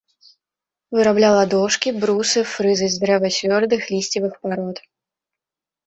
Вырабляла дошкі, брусы, фрызы з дрэва цвёрдых лісцевых парод.